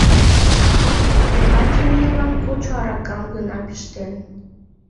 — Пока ти миньлан кочо аракам гына пиштен.